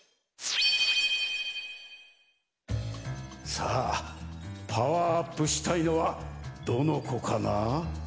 さあパワーアップしたいのはどのこかな？